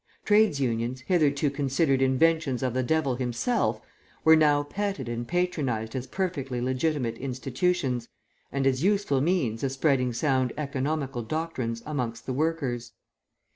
Trades' Unions, hitherto considered inventions of the devil himself, were now petted and patronised as perfectly legitimate institutions, and as useful means of spreading sound economical doctrines amongst the workers.